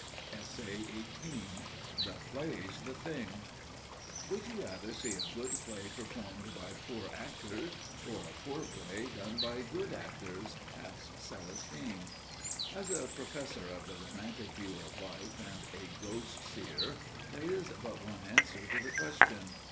*"The Play's the Thing"* "Would you rather see a good play performed by poor actors, or a poor play done by good actors?" asked Celestine. As a professor of the romantic view of life and a "ghost seer," there is but one answer to the question.